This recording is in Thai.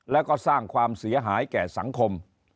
แล้วก็สร้างความเสียหายแก่สังคม